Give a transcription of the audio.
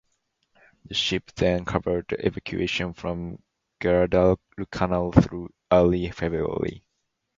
The ship then covered the evacuation from Guadalcanal through early February.